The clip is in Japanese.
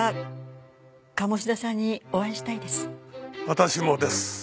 私もです。